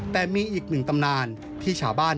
แต่มีอีกหนึ่งตำนานที่ชาวบ้าน